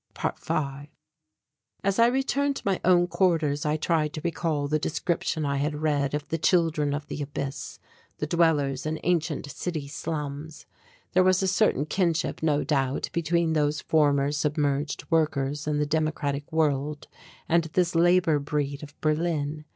~5~ As I returned to my own quarters, I tried to recall the description I had read of the "Children of the Abyss," the dwellers in ancient city slums. There was a certain kinship, no doubt, between those former submerged workers in the democratic world and this labour breed of Berlin.